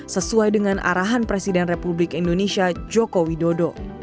sesuai dengan arahan presiden republik indonesia joko widodo